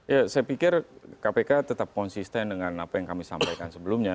ya saya pikir kpk tetap konsisten dengan apa yang kami sampaikan sebelumnya